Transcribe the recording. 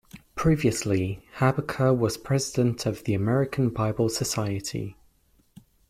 Previously, Habecker was president of the American Bible Society.